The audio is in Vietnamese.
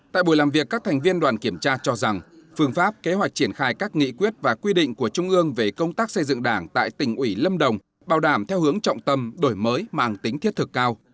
tại buổi làm việc các thành viên đoàn kiểm tra cho rằng phương pháp kế hoạch triển khai các nghị quyết và quy định của trung ương về công tác xây dựng đảng tại tỉnh ủy lâm đồng bảo đảm theo hướng trọng tâm đổi mới mang tính thiết thực cao